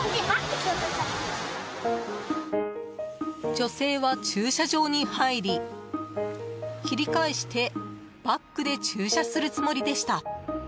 女性は駐車場に入り切り返してバックで駐車するつもりでした。